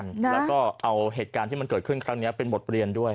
แล้วก็เอาเหตุการณ์ที่มันเกิดขึ้นครั้งนี้เป็นบทเรียนด้วย